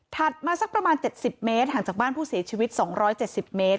มาสักประมาณ๗๐เมตรห่างจากบ้านผู้เสียชีวิต๒๗๐เมตร